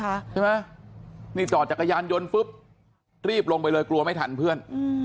ใช่ไหมนี่จอดจักรยานยนต์ปุ๊บรีบลงไปเลยกลัวไม่ทันเพื่อน